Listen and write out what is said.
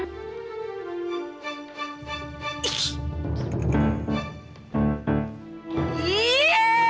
tapi cangkok ada siapa kali sarung